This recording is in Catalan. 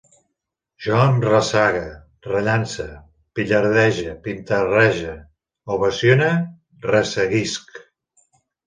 Jo em ressague, rellance, pillardege, pintarrege, ovacione, resseguisc